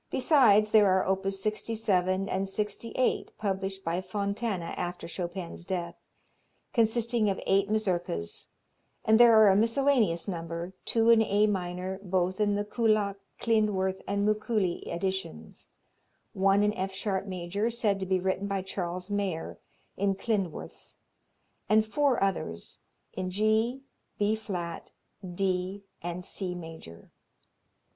Besides there are op. 67 and 68 published by Fontana after Chopin's death, consisting of eight Mazurkas, and there are a miscellaneous number, two in A minor, both in the Kullak, Klindworth and Mikuli editions, one in F sharp major, said to be written by Charles Mayer in Klindworth's and four others, in G, B flat, D and C major.